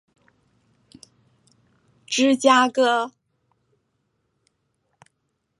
芝加哥